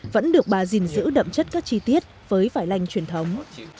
vẫn được bà gìn giữ đậm chất các chi tiết với vải lành truyền thống